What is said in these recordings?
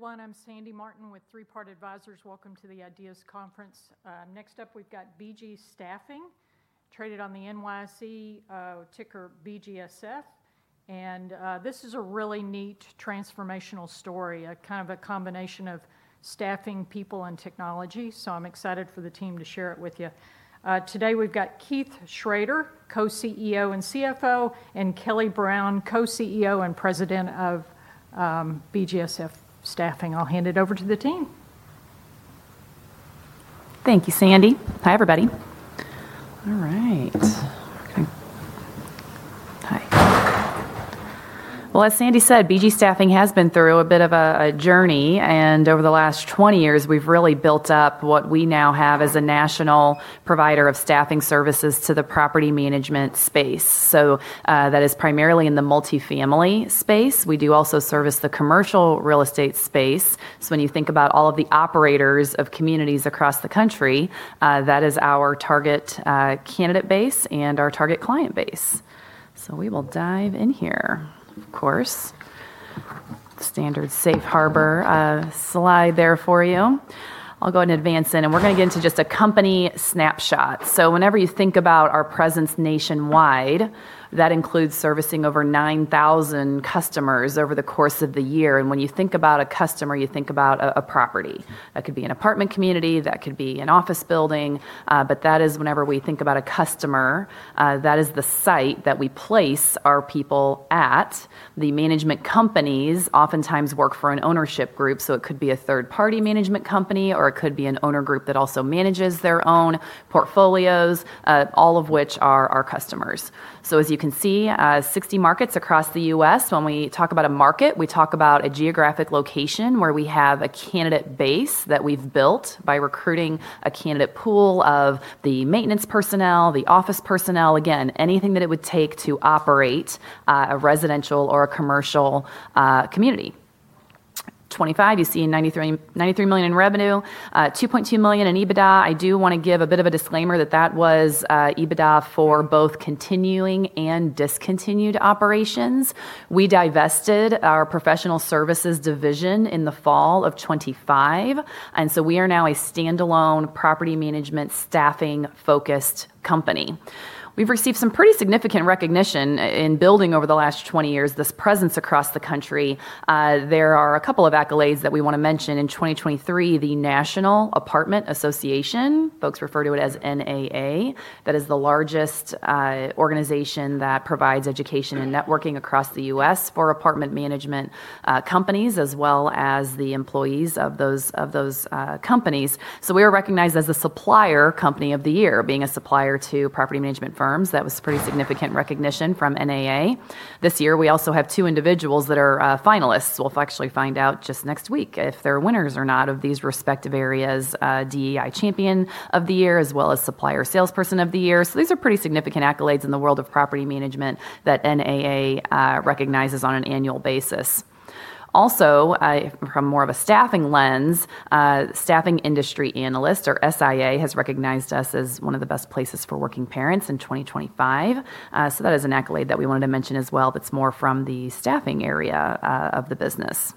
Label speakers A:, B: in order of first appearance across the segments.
A: Everyone, I'm Sandy Martin with Three Part Advisors. Welcome to the IDEAS Conference. Next up, we've got BG Staffing, traded on the NYSE, ticker BGSF. This is a really neat transformational story, a kind of a combination of staffing people and technology. I'm excited for the team to share it with you. Today, we've got Keith Schroeder, Co-Chief Executive Officer and Chief Financial Officer, and Kelly Brown, Co-Chief Executive Officer and President of BGSF Staffing. I'll hand it over to the team.
B: Thank you, Sandy. Hi, everybody. All right. Okay. Hi. As Sandy said, BG Staffing has been through a bit of a journey, over the last 20 years, we've really built up what we now have as a national provider of staffing services to the property management space. That is primarily in the multifamily space. We do also service the commercial real estate space. When you think about all of the operators of communities across the country, that is our target candidate base and our target client base. We will dive in here, of course. Standard safe harbor slide there for you. I'll go and advance in, we're going to get into just a company snapshot. Whenever you think about our presence nationwide, that includes servicing over 9,000 customers over the course of the year. When you think about a customer, you think about a property. That could be an apartment community, that could be an office building, but that is whenever we think about a customer, that is the site that we place our people at. The management companies oftentimes work for an ownership group, so it could be a third-party management company, or it could be an owner group that also manages their own portfolios, all of which are our customers. As you can see, 60 markets across the U.S. When we talk about a market, we talk about a geographic location where we have a candidate base that we've built by recruiting a candidate pool of the maintenance personnel, the office personnel. Again, anything that it would take to operate a residential or a commercial community. 2025, you see $93 million in revenue, $2.2 million in EBITDA. I do want to give a bit of a disclaimer that that was EBITDA for both continuing and Discontinued Operations. We divested our professional services division in the fall of 2025, we are now a standalone property management staffing-focused company. We've received some pretty significant recognition in building over the last 20 years, this presence across the country. There are a couple of accolades that we want to mention. In 2023, the National Apartment Association, folks refer to it as NAA. That is the largest organization that provides education and networking across the U.S. for apartment management companies, as well as the employees of those companies. We were recognized as the Supplier Company of the Year, being a supplier to property management firms. That was pretty significant recognition from NAA. This year, we also have two individuals that are finalists. We'll actually find out just next week if they're winners or not of these respective areas, DEI Champion of the Year, as well as Supplier Salesperson of the Year. These are pretty significant accolades in the world of property management that NAA recognizes on an annual basis. Also, from more of a staffing lens, Staffing Industry Analysts, or SIA, has recognized us as one of the best places for working parents in 2025. That is an accolade that we wanted to mention as well, that's more from the staffing area of the business.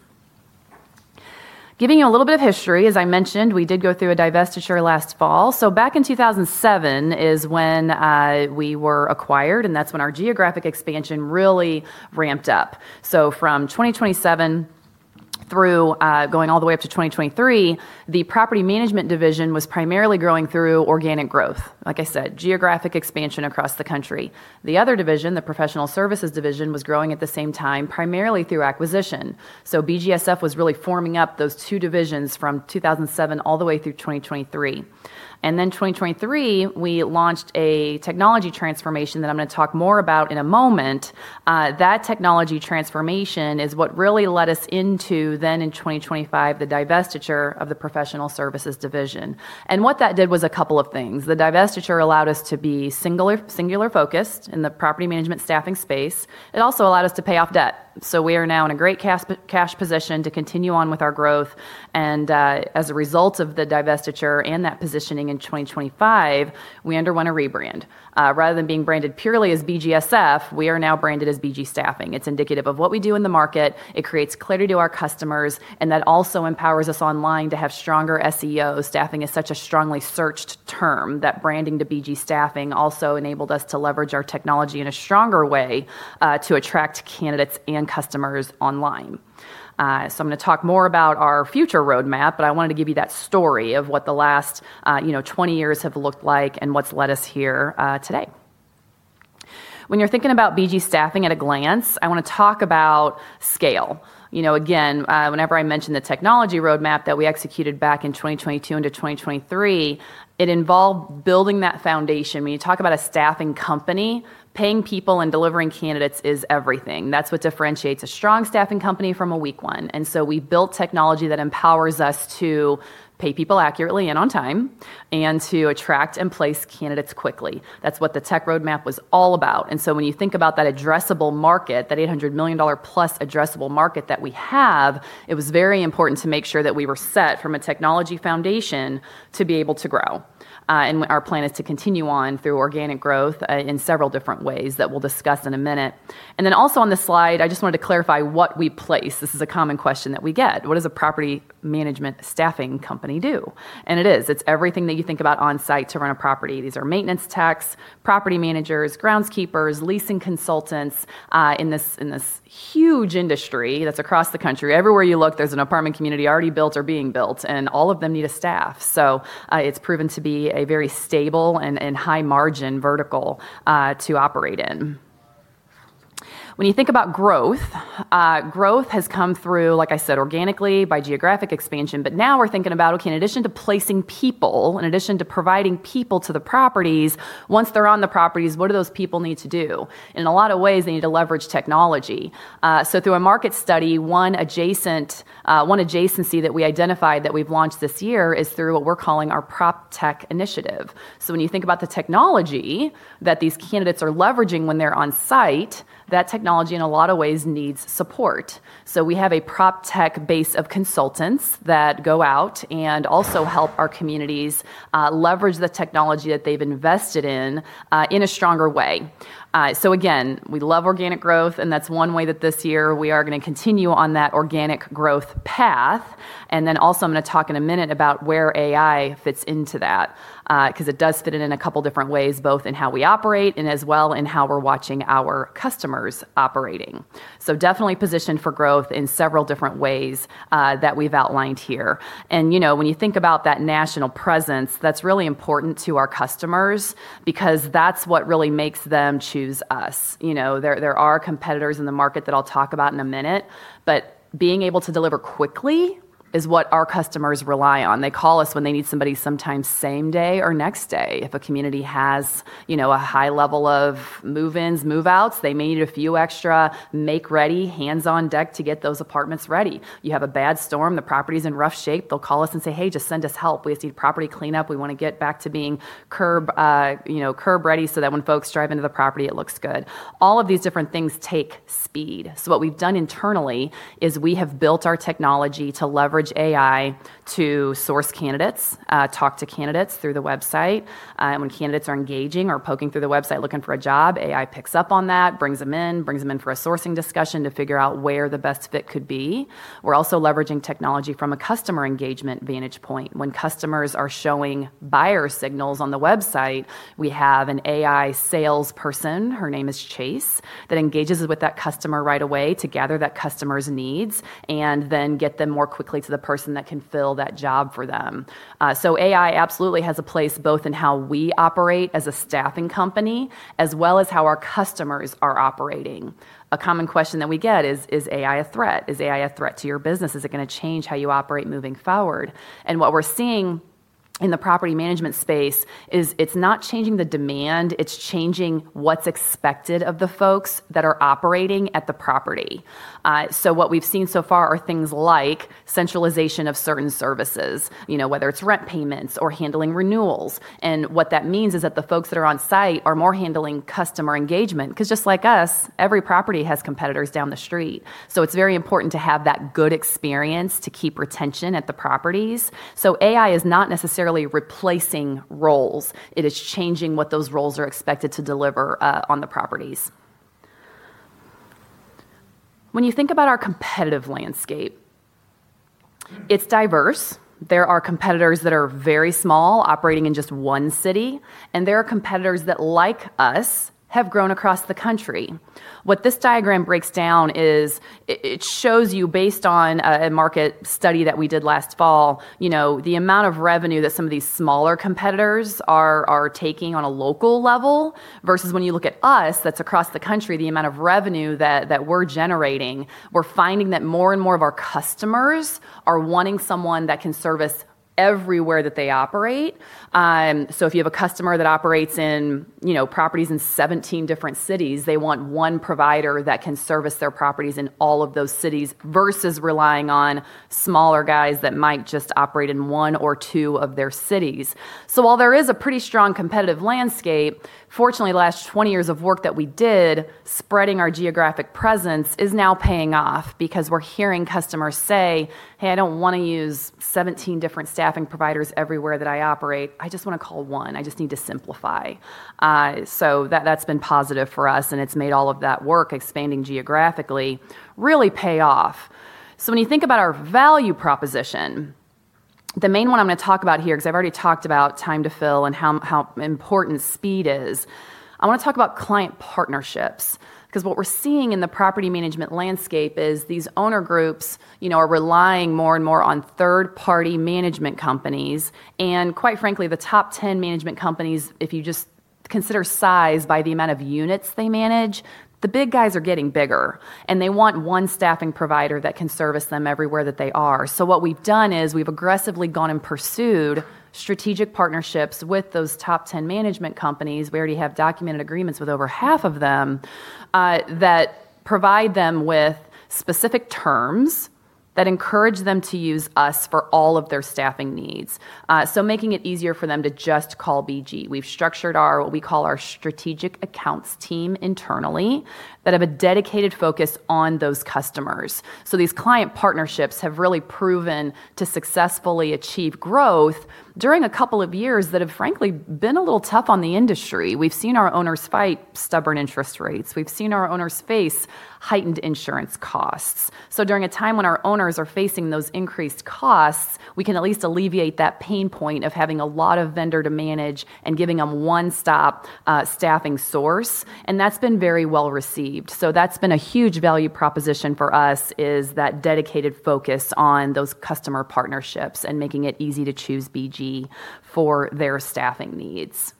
B: Giving you a little bit of history, as I mentioned, we did go through a divestiture last fall. Back in 2007 is when we were acquired, and that's when our geographic expansion really ramped up. From 2007 through going all the way up to 2023, the property management division was primarily growing through organic growth. Like I said, geographic expansion across the country. The other division, the professional services division, was growing at the same time, primarily through acquisition. BGSF was really forming up those two divisions from 2007 all the way through 2023. Then 2023, we launched a technology transformation that I'm going to talk more about in a moment. That technology transformation is what really led us into, then in 2025, the divestiture of the professional services division. What that did was a couple of things. The divestiture allowed us to be singular-focused in the property management staffing space. It also allowed us to pay off debt. We are now in a great cash position to continue on with our growth. As a result of the divestiture and that positioning in 2025, we underwent a rebrand. Rather than being branded purely as BGSF, we are now branded as BG Staffing. It's indicative of what we do in the market. It creates clarity to our customers, and that also empowers us online to have stronger SEO. Staffing is such a strongly searched term that branding to BG Staffing also enabled us to leverage our technology in a stronger way to attract candidates and customers online. I'm going to talk more about our future roadmap, but I wanted to give you that story of what the last 20 years have looked like and what's led us here today. When you're thinking about BG Staffing at a glance, I want to talk about scale. Again, whenever I mention the technology roadmap that we executed back in 2022 into 2023, it involved building that foundation. When you talk about a staffing company, paying people and delivering candidates is everything. That's what differentiates a strong staffing company from a weak one. We built technology that empowers us to pay people accurately and on time, and to attract and place candidates quickly. That's what the tech roadmap was all about. When you think about that addressable market, that $800 million-plus addressable market that we have, it was very important to make sure that we were set from a technology foundation to be able to grow. Our plan is to continue on through organic growth in several different ways that we'll discuss in a minute. Also on this slide, I just wanted to clarify what we place. This is a common question that we get. What does a property management staffing company do? And it is. It's everything that you think about on-site to run a property. These are maintenance techs, property managers, groundskeepers, leasing consultants, in this huge industry that is across the country. Everywhere you look, there is an apartment community already built or being built, and all of them need a staff. It is proven to be a very stable and high-margin vertical to operate in. When you think about growth has come through, like I said, organically by geographic expansion. Now we are thinking about, okay, in addition to placing people, in addition to providing people to the properties, once they are on the properties, what do those people need to do? In a lot of ways, they need to leverage technology. Through a market study, one adjacency that we identified that we have launched this year is through what we are calling our PropTech initiative. When you think about the technology that these candidates are leveraging when they are on-site, that technology, in a lot of ways, needs support. We have a PropTech base of consultants that go out and also help our communities leverage the technology that they have invested in a stronger way. Again, we love organic growth, and that is one way that this year we are going to continue on that organic growth path. Also, I am going to talk in a minute about where AI fits into that, because it does fit in in a couple different ways, both in how we operate and as well in how we are watching our customers operating. Definitely positioned for growth in several different ways that we have outlined here. And when you think about that national presence, that is really important to our customers because that is what really makes them choose us. There are competitors in the market that I will talk about in a minute, but being able to deliver quickly is what our customers rely on. They call us when they need somebody, sometimes same day or next day. If a community has a high level of move-ins, move-outs, they may need a few extra make-ready hands on deck to get those apartments ready. You have a bad storm, the property is in rough shape, they will call us and say, "Hey, just send us help. We just need property cleanup. We want to get back to being curb-ready so that when folks drive into the property, it looks good." All of these different things take speed. What we have done internally is we have built our technology to leverage AI to source candidates, talk to candidates through the website. When candidates are engaging or poking through the website looking for a job, AI picks up on that, brings them in, brings them in for a sourcing discussion to figure out where the best fit could be. We are also leveraging technology from a customer engagement vantage point. When customers are showing buyer signals on the website, we have an AI salesperson, her name is Chase, that engages with that customer right away to gather that customer's needs and then get them more quickly to the person that can fill that job for them. AI absolutely has a place both in how we operate as a staffing company, as well as how our customers are operating. A common question that we get is AI a threat? Is AI a threat to your business? Is it going to change how you operate moving forward? What we're seeing in the property management space is it's not changing the demand, it's changing what's expected of the folks that are operating at the property. What we've seen so far are things like centralization of certain services, whether it's rent payments or handling renewals. What that means is that the folks that are on site are more handling customer engagement, because just like us, every property has competitors down the street. It's very important to have that good experience to keep retention at the properties. AI is not necessarily replacing roles. It is changing what those roles are expected to deliver on the properties. When you think about our competitive landscape, it's diverse. There are competitors that are very small, operating in just one city, and there are competitors that, like us, have grown across the country. What this diagram breaks down is, it shows you based on a market study that we did last fall, the amount of revenue that some of these smaller competitors are taking on a local level, versus when you look at us, that's across the country, the amount of revenue that we're generating. We're finding that more and more of our customers are wanting someone that can service everywhere that they operate. If you have a customer that operates in properties in 17 different cities, they want one provider that can service their properties in all of those cities, versus relying on smaller guys that might just operate in one or two of their cities. While there is a pretty strong competitive landscape, fortunately, the last 20 years of work that we did spreading our geographic presence is now paying off because we're hearing customers say, "Hey, I don't want to use 17 different staffing providers everywhere that I operate. I just want to call one. I just need to simplify." That's been positive for us, and it's made all of that work expanding geographically really pay off. When you think about our value proposition, the main one I'm going to talk about here, because I've already talked about time to fill and how important speed is, I want to talk about client partnerships. What we're seeing in the property management landscape is these owner groups are relying more and more on third-party management companies. Quite frankly, the top 10 management companies, if you just consider size by the amount of units they manage, the big guys are getting bigger, and they want one staffing provider that can service them everywhere that they are. What we've done is we've aggressively gone and pursued strategic partnerships with those top 10 management companies. We already have documented agreements with over half of them that provide them with specific terms that encourage them to use us for all of their staffing needs. Making it easier for them to just call BG. We've structured what we call our strategic accounts team internally that have a dedicated focus on those customers. These client partnerships have really proven to successfully achieve growth during a couple of years that have, frankly, been a little tough on the industry. We've seen our owners fight stubborn interest rates. We've seen our owners face heightened insurance costs. During a time when our owners are facing those increased costs, we can at least alleviate that pain point of having a lot of vendors to manage and giving them one-stop staffing source, and that's been very well-received. That's been a huge value proposition for us is that dedicated focus on those customer partnerships and making it easy to choose BG for their staffing needs.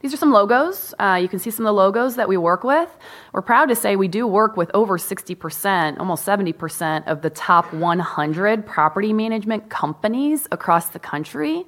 B: These are some logos. You can see some of the logos that we work with. We're proud to say we do work with over 60%, almost 70% of the top 100 property management companies across the country.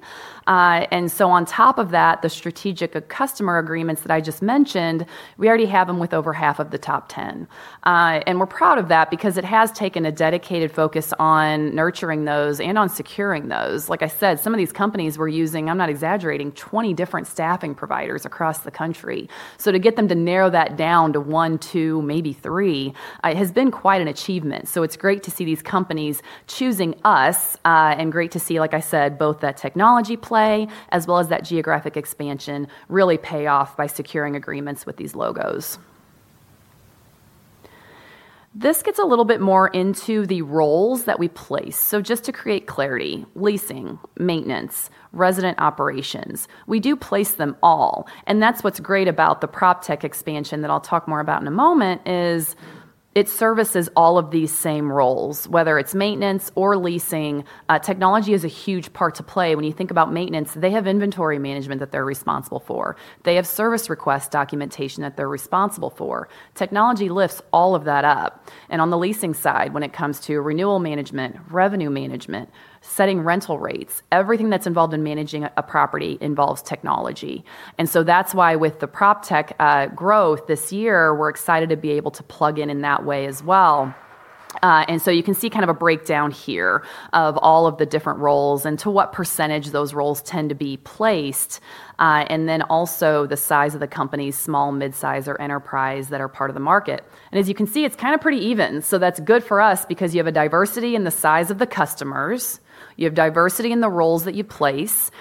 B: On top of that, the strategic customer agreements that I just mentioned, we already have them with over half of the top 10. We're proud of that because it has taken a dedicated focus on nurturing those and on securing those. Like I said, some of these companies were using, I'm not exaggerating, 20 different staffing providers across the country. To get them to narrow that down to one, two, maybe three, has been quite an achievement. It's great to see these companies choosing us, and great to see, like I said, both that technology play as well as that geographic expansion really pay off by securing agreements with these logos. This gets a little bit more into the roles that we place. Just to create clarity, leasing, maintenance, resident operations, we do place them all, and that's what's great about the PropTech expansion that I'll talk more about in a moment, is it services all of these same roles. Whether it's maintenance or leasing, technology is a huge part to play. When you think about maintenance, they have inventory management that they're responsible for. They have service request documentation that they're responsible for. Technology lifts all of that up. On the leasing side, when it comes to renewal management, revenue management, setting rental rates, everything that's involved in managing a property involves technology. That's why with the PropTech growth this year, we're excited to be able to plug in in that way as well. You can see a breakdown here of all of the different roles and to what percentage those roles tend to be placed. Then also the size of the company, small, mid-size, or enterprise, that are part of the market. As you can see, it's pretty even. That's good for us because you have a diversity in the size of the customers, you have diversity in the roles that you place.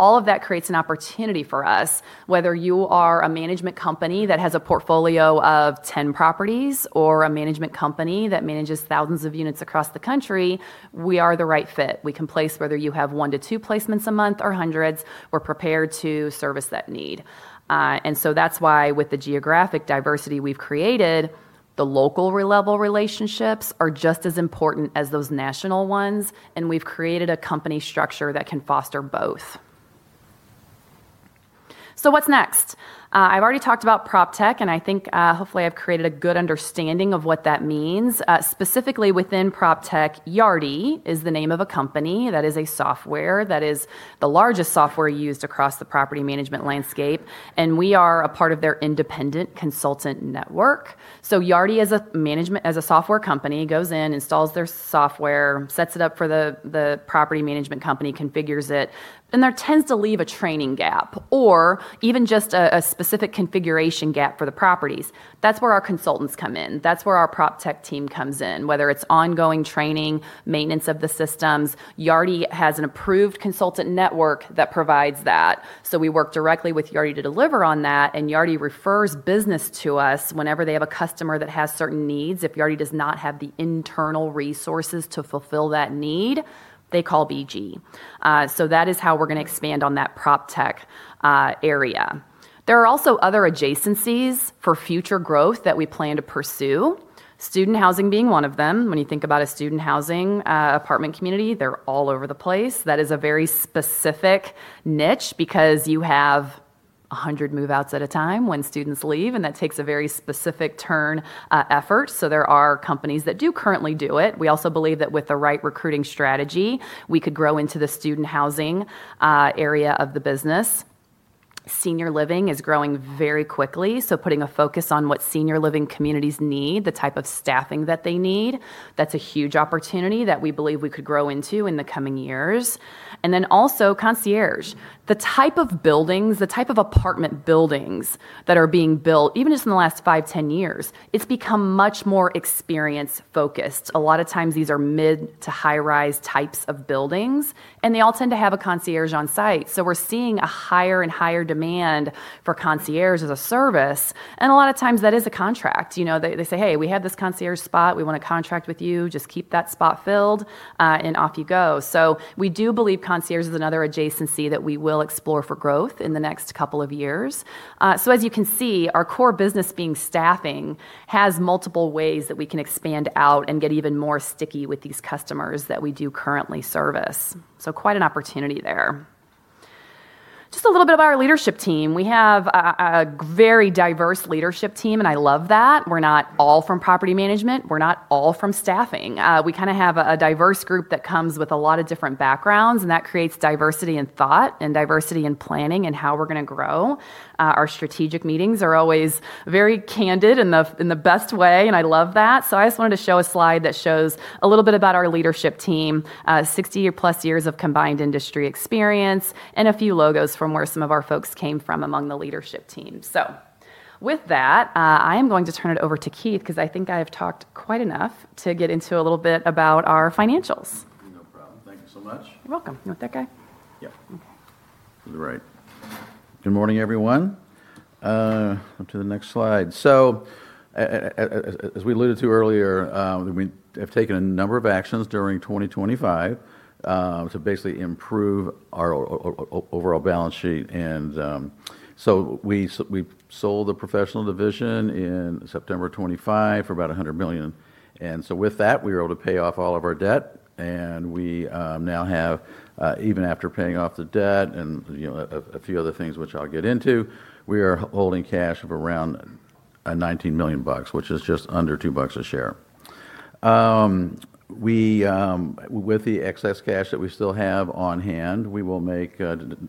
B: All of that creates an opportunity for us. Whether you are a management company that has a portfolio of 10 properties or a management company that manages thousands of units across the country, we are the right fit. We can place whether you have one to two placements a month or hundreds, we're prepared to service that need. That's why with the geographic diversity we've created, the local level relationships are just as important as those national ones, and we've created a company structure that can foster both. What's next? I've already talked about PropTech, and I think, hopefully I've created a good understanding of what that means. Specifically within PropTech, Yardi is the name of a company that is a software that is the largest software used across the property management landscape, we are a part of their independent consultant network. Yardi as a software company, goes in, installs their software, sets it up for the property management company, configures it, there tends to leave a training gap, or even just a specific configuration gap for the properties. That's where our consultants come in. That's where our PropTech team comes in, whether it's ongoing training, maintenance of the systems. Yardi has an approved consultant network that provides that. We work directly with Yardi to deliver on that, Yardi refers business to us whenever they have a customer that has certain needs. If Yardi does not have the internal resources to fulfill that need, they call BG. That is how we're going to expand on that PropTech area. There are also other adjacencies for future growth that we plan to pursue, student housing being one of them. When you think about a student housing apartment community, they're all over the place. That is a very specific niche because you have 100 move-outs at a time when students leave, that takes a very specific turn effort. There are companies that do currently do it. We also believe that with the right recruiting strategy, we could grow into the student housing area of the business. Senior living is growing very quickly, putting a focus on what senior living communities need, the type of staffing that they need, that's a huge opportunity that we believe we could grow into in the coming years. Also concierge. The type of buildings, the type of apartment buildings that are being built, even just in the last five, 10 years, it's become much more experience-focused. A lot of times these are mid to high-rise types of buildings, they all tend to have a concierge on site. We're seeing a higher and higher demand for concierge as a service, a lot of times that is a contract. They say, "Hey, we have this concierge spot. We want a contract with you. Just keep that spot filled," off you go. We do believe concierge is another adjacency that we will explore for growth in the next couple of years. As you can see, our core business being staffing has multiple ways that we can expand out and get even more sticky with these customers that we do currently service. Quite an opportunity there. Just a little bit about our leadership team. We have a very diverse leadership team, I love that. We're not all from property management. We're not all from staffing. We have a diverse group that comes with a lot of different backgrounds, that creates diversity in thought and diversity in planning in how we're going to grow. Our strategic meetings are always very candid in the best way, I love that. I just wanted to show a slide that shows a little bit about our leadership team. 60+ years of combined industry experience a few logos from where some of our folks came from among the leadership team. With that, I am going to turn it over to Keith because I think I have talked quite enough to get into a little bit about our financials.
C: No problem. Thank you so much.
B: You're welcome. You want that guy?
C: Yeah.
B: Okay.
C: To the right. Good morning, everyone. Up to the next slide. As we alluded to earlier, we have taken a number of actions during 2025 to basically improve our overall balance sheet. We sold the professional division in September 2025 for about $100 million. With that, we were able to pay off all of our debt, and we now have, even after paying off the debt and a few other things which I'll get into, we are holding cash of around $19 million, which is just under $2 a share. With the excess cash that we still have on hand, we will make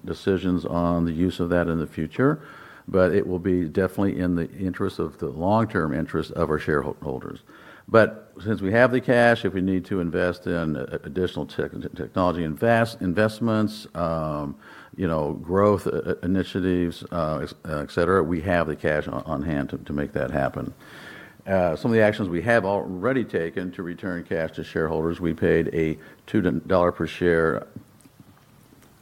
C: decisions on the use of that in the future, but it will be definitely in the long-term interest of our shareholders. Since we have the cash, if we need to invest in additional technology investments, growth initiatives, et cetera, we have the cash on hand to make that happen. Some of the actions we have already taken to return cash to shareholders, we paid a $2 per share,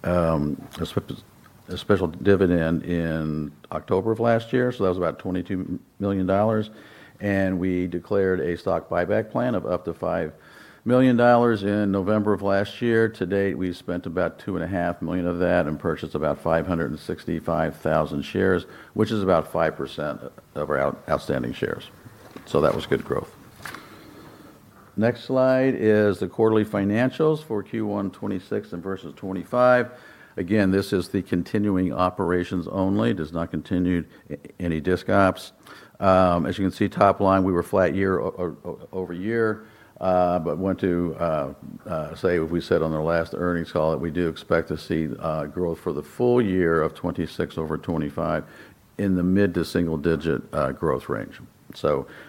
C: a special dividend in October of last year, that was about $22 million. We declared a stock buyback plan of up to $5 million in November of last year. To date, we've spent about $2.5 million of that and purchased about 565,000 shares, which is about 5% of our outstanding shares. That was good growth. Next slide is the quarterly financials for Q1 2026 versus 2025. Again, this is the continuing operations only. Does not continue any Discontinued Operations. As you can see, top-line, we were flat year-over-year, but want to say, as we said on the last earnings call, that we do expect to see growth for the full year of 2026 over 2025 in the mid-to-single-digit growth range.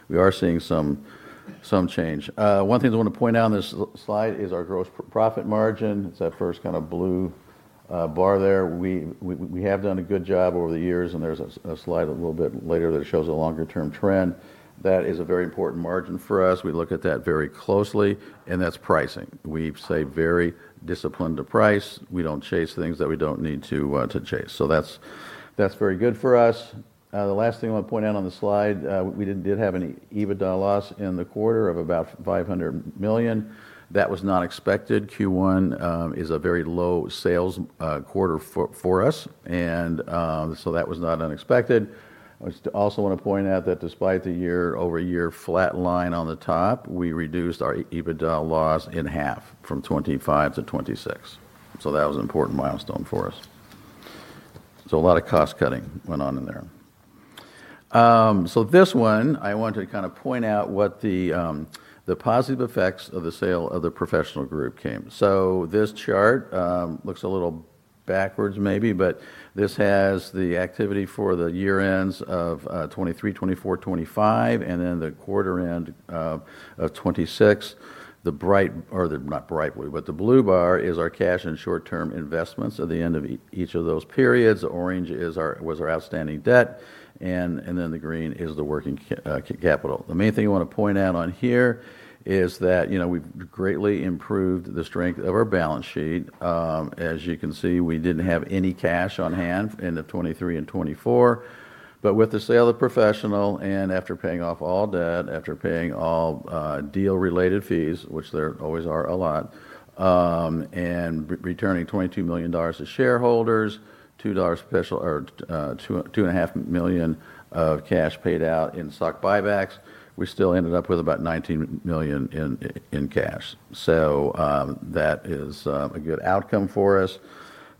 C: We are seeing some change. One thing I want to point out on this slide is our gross profit margin. It is that first blue bar there. We have done a good job over the years, and there is a slide a little bit later that shows a longer-term trend. That is a very important margin for us. We look at that very closely, and that is pricing. We stay very disciplined to price. We do not chase things that we do not need to chase. That is very good for us. The last thing I want to point out on the slide, we did have an EBITDA loss in the quarter of about $500,000. That was not expected. Q1 is a very low sales quarter for us, and so that was not unexpected. I also want to point out that despite the year-over-year flat line on the top, we reduced our EBITDA loss in half from 2025 to 2026. That was an important milestone for us. A lot of cost cutting went on in there. This one, I want to point out what the positive effects of the sale of the professional group came. This chart looks a little backwards maybe, but this has the activity for the year ends of 2023, 2024, 2025, and then the quarter end of 2026. The blue bar is our cash and short-term investments at the end of each of those periods. The orange was our outstanding debt, and then the green is the working capital. The main thing I want to point out on here is that we have greatly improved the strength of our balance sheet. As you can see, we did not have any cash on hand end of 2023 and 2024. But with the sale of professional and after paying off all debt, after paying all deal-related fees, which there always are a lot, and returning $22 million to shareholders, $2.5 million of cash paid out in stock buybacks, we still ended up with about $19 million in cash. That is a good outcome for us.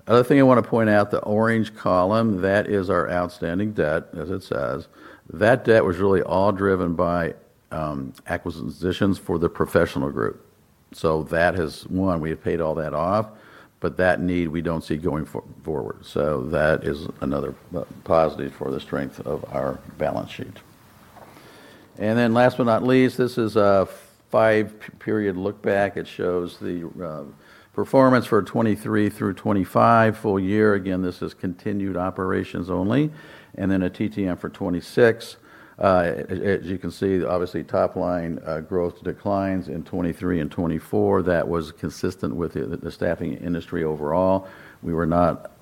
C: Other thing I want to point out, the orange column, that is our outstanding debt, as it says. That debt was really all driven by acquisitions for the professional group. That has, one, we have paid all that off, but that need we do not see going forward. That is another positive for the strength of our balance sheet. And then last but not least, this is a five-period look-back. It shows the performance for 2023 through 2025 full year. Again, this is continuing operations only. And then a TTM for 2026. As you can see, obviously top-line growth declines in 2023 and 2024. That was consistent with the staffing industry overall. We were not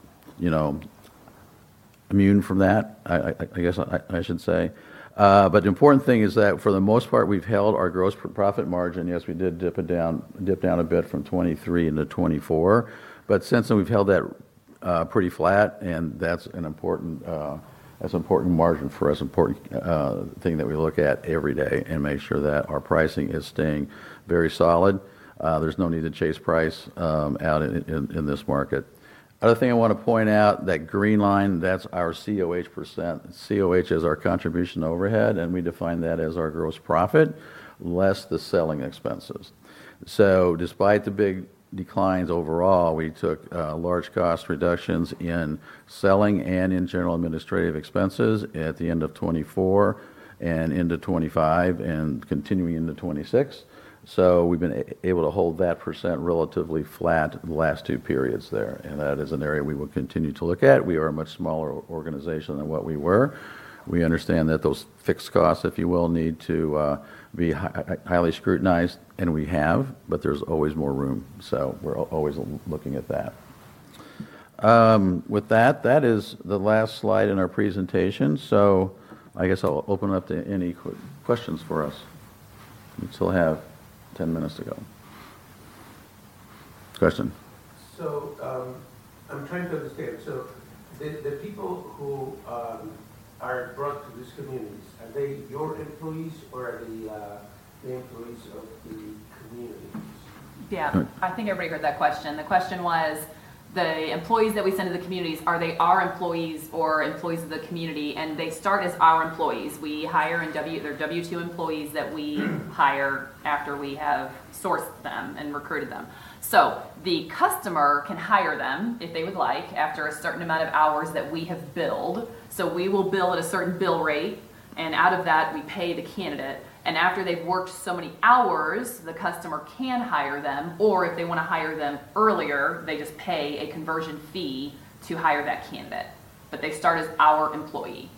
C: immune from that, I guess I should say. But the important thing is that for the most part, we have held our gross profit margin. Yes, we did dip down a bit from 2023 into 2024. Since then, we've held that pretty flat, that's an important margin for us, important thing that we look at every day and make sure that our pricing is staying very solid. There's no need to chase price out in this market. Other thing I want to point out, that green line, that's our COH percent. COH is our contribution overhead, and we define that as our gross profit less the selling expenses. Despite the big declines overall, we took large cost reductions in selling and in general administrative expenses at the end of 2024 and into 2025 and continuing into 2026. We've been able to hold that % relatively flat the last two periods there, and that is an area we will continue to look at. We are a much smaller organization than what we were. We understand that those fixed costs, if you will, need to be highly scrutinized, and we have, but there's always more room. We're always looking at that. With that is the last slide in our presentation, I guess I'll open up to any questions for us. We still have 10 minutes to go. Question.
D: I'm trying to understand. The people who are brought to these communities, are they your employees or are they the employees of the communities?
B: Yeah.
C: Okay.
B: I think everybody heard that question. The question was. The employees that we send to the communities are they our employees or employees of the community, and they start as our employees. We hire, and they're W2 employees that we hire after we have sourced them and recruited them. The customer can hire them if they would like after a certain amount of hours that we have billed. We will bill at a certain bill rate, and out of that, we pay the candidate, and after they've worked so many hours, the customer can hire them, or if they want to hire them earlier, they just pay a conversion fee to hire that candidate. They start as our employee.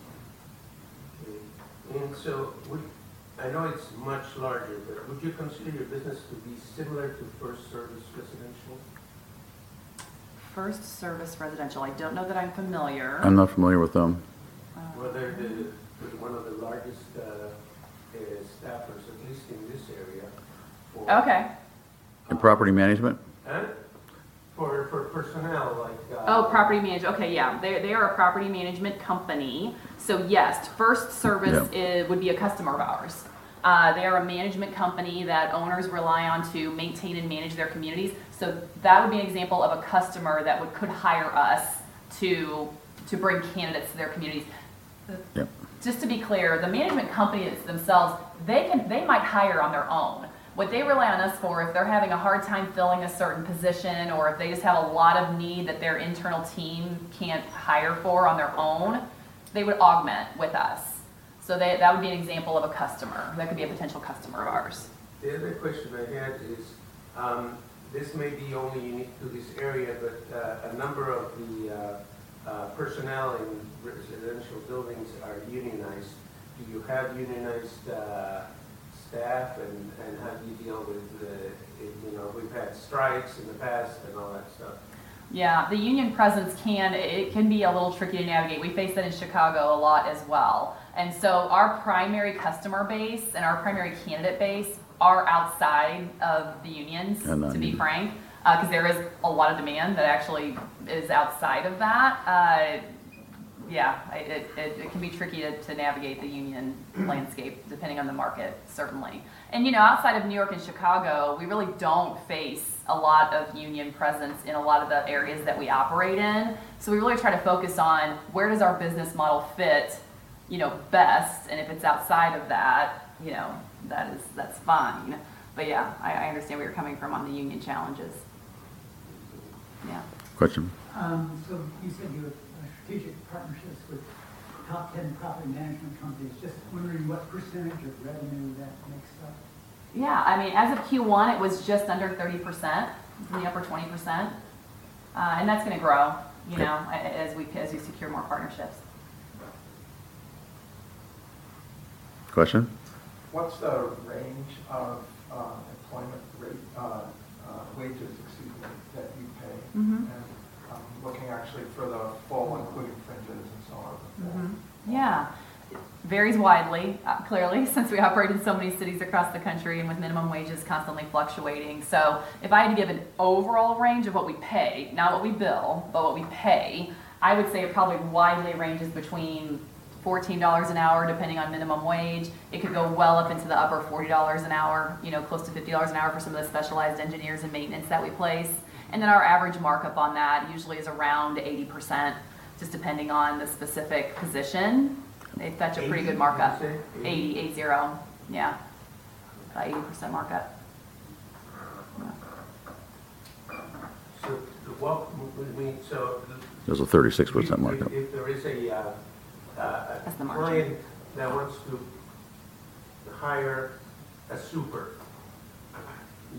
D: Okay. I know it's much larger there. Would you consider your business to be similar to FirstService Residential?
B: FirstService Residential. I don't know that I'm familiar.
C: I'm not familiar with them.
D: Well, they're one of the largest staffers, at least in this area for.
B: Okay.
C: In property management?
D: Huh? For personnel like
B: Oh, property management. Okay. Yeah. They are a property management company. Yes, FirstService
C: Yeah
B: would be a customer of ours. They are a management company that owners rely on to maintain and manage their communities. That would be an example of a customer that could hire us to bring candidates to their communities.
C: Yep.
B: Just to be clear, the management companies themselves, they might hire on their own. What they rely on us for, if they're having a hard time filling a certain position, or if they just have a lot of need that their internal team can't hire for on their own, they would augment with us. That would be an example of a customer. That could be a potential customer of ours.
D: The other question I had is, this may be only unique to this area, but a number of the personnel in residential buildings are unionized. Do you have unionized staff, and how do you deal with? We've had strikes in the past and all that stuff.
B: Yeah. The union presence can be a little tricky to navigate. We face that in Chicago a lot as well. Our primary customer base and our primary candidate base are outside of the unions. to be frank, because there is a lot of demand that actually is outside of that. Yeah, it can be tricky to navigate the union landscape, depending on the market, certainly. Outside of New York and Chicago, we really don't face a lot of union presence in a lot of the areas that we operate in. We really try to focus on where does our business model fit best, and if it's outside of that's fine. Yeah, I understand where you're coming from on the union challenges.
D: Thank you.
B: Yeah.
C: Question.
E: You said you have strategic partnerships with top 10 property management companies. Just wondering what percentage of revenue that makes up.
B: As of Q1, it was just under 30%, in the upper 20%. That's going to grow as we secure more partnerships.
C: Question.
F: What's the range of employment rate, wages, excuse me, that you pay? I'm looking actually for the full, including fringes and so on. whole.
B: Yeah. Varies widely, clearly, since we operate in so many cities across the country and with minimum wages constantly fluctuating. If I had to give an overall range of what we pay, not what we bill, but what we pay, I would say it probably widely ranges between $14 an hour, depending on minimum wage. It could go well up into the upper $40 an hour, close to $50 an hour for some of the specialized engineers and maintenance that we place. Our average markup on that usually is around 80%, just depending on the specific position. That's a pretty good markup.
D: 80% you said? 80%.
B: 80%. Yeah. 80% markup. Yeah.
D: what would we.
C: There's a 36% markup
D: If there is a-
B: That's the margin
D: Client that wants to hire a super,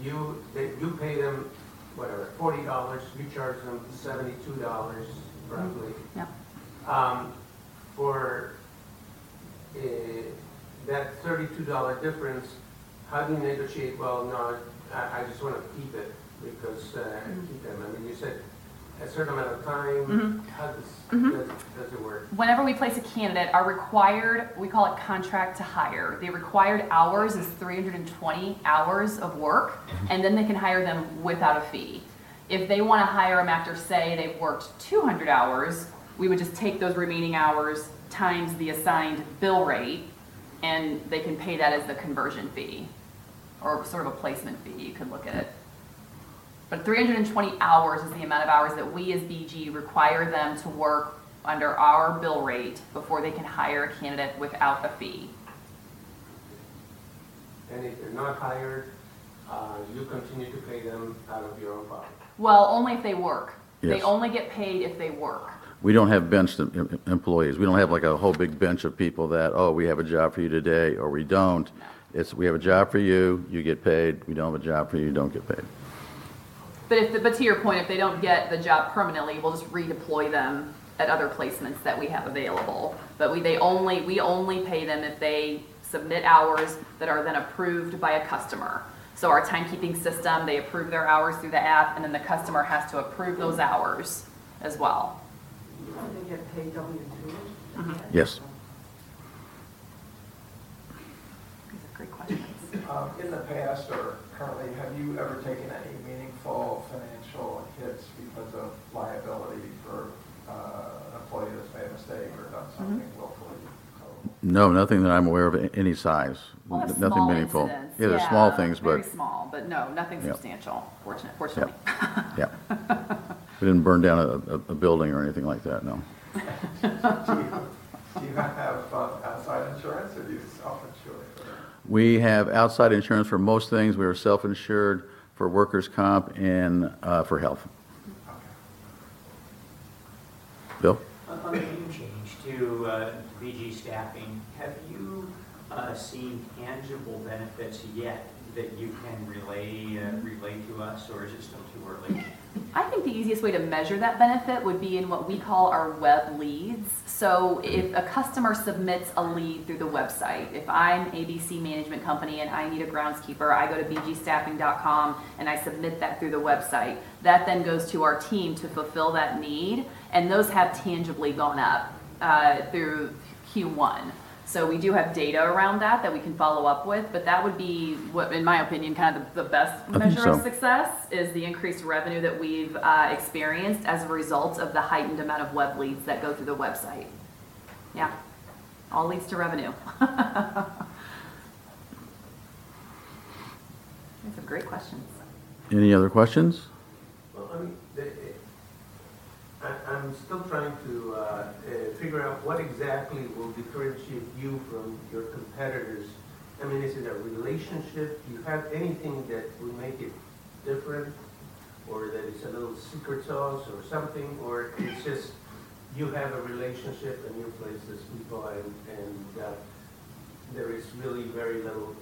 D: you pay them, whatever, $40, you charge them $72 roughly.
B: Mm-hmm. Yep.
D: For that $32 difference, how do you negotiate? Well, no, I just want to keep it. Keep them. You said a certain amount of time. How does it work?
B: Whenever we place a candidate, we call it contract to hire. The required hours is 320 hours of work. Then they can hire them without a fee. If they want to hire them after, say, they've worked 200 hours, we would just take those remaining hours times the assigned bill rate, and they can pay that as the conversion fee or sort of a placement fee, you could look at it. 320 hours is the amount of hours that we, as BG, require them to work under our bill rate before they can hire a candidate without a fee.
D: If they're not hired, you continue to pay them out of your own pocket?
B: Well, only if they work.
C: Yes.
B: They only get paid if they work.
C: We don't have benched employees. We don't have a whole big bench of people that, "Oh, we have a job for you today," or we don't.
B: No.
C: It's, "We have a job for you. You get paid. We don't have a job for you. You don't get paid.
B: To your point, if they don't get the job permanently, we'll just redeploy them at other placements that we have available. We only pay them if they submit hours that are then approved by a customer. Our timekeeping system, they approve their hours through the app, and then the customer has to approve those hours as well.
E: Do they get paid W2?
C: Yes.
B: These are great questions.
F: In the past or currently, have you ever taken any meaningful financial hits because of liability for- employee that's made a mistake or done something willfully illegal?
C: No, nothing that I'm aware of, any size.
B: Well, small incidents.
C: Nothing meaningful. Yeah, they're small things.
B: Very small, but no, nothing substantial.
C: Yeah.
B: Fortunately.
C: Yeah. We didn't burn down a building or anything like that, no.
D: Do you have outside insurance, or are you self-insured?
C: We have outside insurance for most things. We are self-insured for workers' comp and for health.
G: On the change to BG Staffing, have you seen tangible benefits yet that you can relay to us, or is it still too early?
B: I think the easiest way to measure that benefit would be in what we call our web leads. If a customer submits a lead through the website, if I'm ABC Management Company and I need a groundskeeper, I go to bgsf.com, and I submit that through the website. That then goes to our team to fulfill that need, and those have tangibly gone up through Q1. We do have data around that that we can follow up with, but that would be, in my opinion, the best measure-
C: I think so
B: of success is the increased revenue that we've experienced as a result of the heightened amount of web leads that go through the website. Yeah. All leads to revenue. Those are great questions.
C: Any other questions?
D: Well, I'm still trying to figure out what exactly will differentiate you from your competitors. Is it a relationship? Do you have anything that will make it different, or that it's a little secret sauce or something? It's just you have a relationship, and you place these people, and there is really very little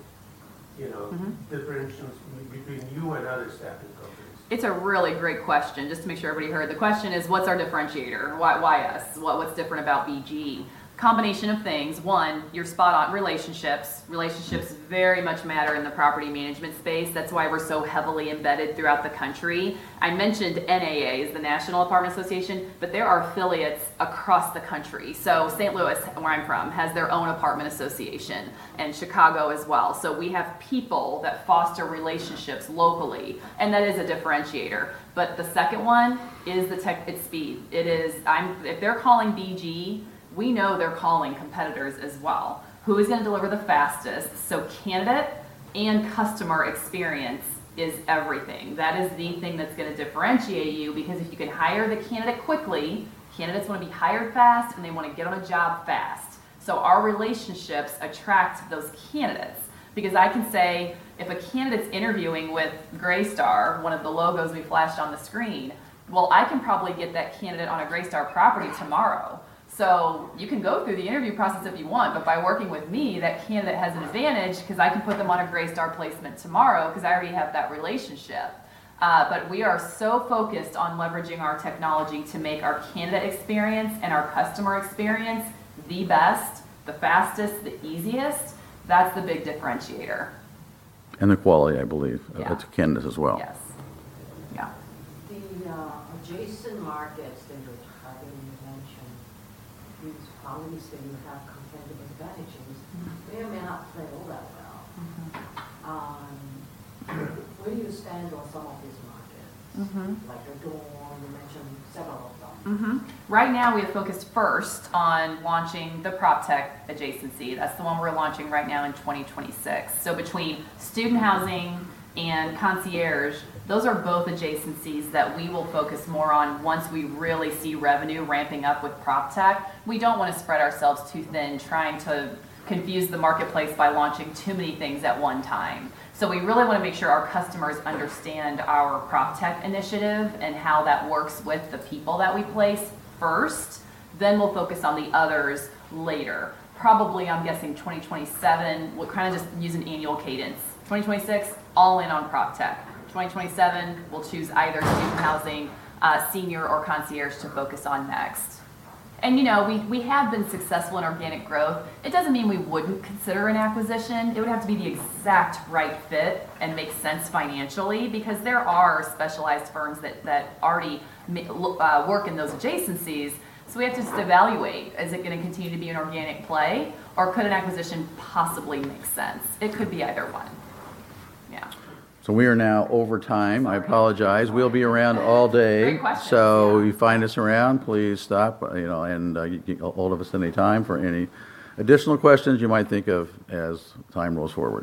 D: differentiation between you and other staffing companies.
B: It's a really great question. Just to make sure everybody heard, the question is, what's our differentiator? Why us? What's different about BG? Combination of things. One, you're spot on. Relationships. Relationships very much matter in the property management space. That's why we're so heavily embedded throughout the country. I mentioned NAA is the National Apartment Association, but there are affiliates across the country. St. Louis, where I'm from, has their own apartment association, and Chicago as well. So we have people that foster relationships locally, and that is a differentiator, but the second one is the tech at speed. If they're calling BG, we know they're calling competitors as well. Who is going to deliver the fastest? Candidate and customer experience is everything. That is the thing that's going to differentiate you because if you can hire the candidate quickly, candidates want to be hired fast, and they want to get on a job fast. Our relationships attract those candidates because I can say if a candidate's interviewing with Greystar, one of the logos we flashed on the screen, well, I can probably get that candidate on a Greystar property tomorrow. You can go through the interview process if you want, but by working with me, that candidate has an advantage because I can put them on a Greystar placement tomorrow because I already have that relationship. We are so focused on leveraging our technology to make our candidate experience and our customer experience the best, the fastest, the easiest. That's the big differentiator.
C: The quality, I believe.
B: Yeah
C: Of its candidates as well.
B: Yes. Yeah.
H: The adjacent markets that you're targeting, you mentioned these properties that you have competitive advantages. May or may not play all that well. Where do you stand on some of these markets? Like the dorm. You mentioned several of them.
B: Right now, we have focused first on launching the PropTech adjacency. That's the one we're launching right now in 2026. Between student housing and concierge, those are both adjacencies that we will focus more on once we really see revenue ramping up with PropTech. We don't want to spread ourselves too thin trying to confuse the marketplace by launching too many things at one time. We really want to make sure our customers understand our PropTech Initiative and how that works with the people that we place first. We'll focus on the others later, probably, I'm guessing 2007. We'll just use an annual cadence. 2026, all-in on PropTech. 2007, we'll choose either student housing, senior, or concierge to focus on next. We have been successful in organic growth. It doesn't mean we wouldn't consider an acquisition. It would have to be the exact right fit and make sense financially because there are specialized firms that already work in those adjacencies. We have to evaluate, is it going to continue to be an organic play, or could an acquisition possibly make sense? It could be either one. Yeah.
C: We are now over time. I apologize. We'll be around all day.
B: Great questions. Yeah.
C: If you find us around, please stop, and you can get ahold of us any time for any additional questions you might think of as time rolls forward.